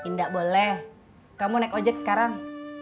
tidak boleh kamu naik ojek sekarang